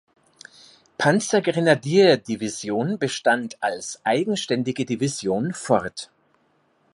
Panzergrenadierdivision bestand als eigenständige Division fort.